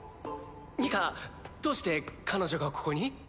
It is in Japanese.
ニカどうして彼女がここに？